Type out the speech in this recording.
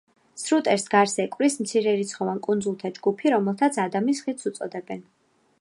სრუტეს გარს ეკვრის მცირერიცხოვან კუნძულთა ჯგუფი, რომელთაც ადამის ხიდს უწოდებენ.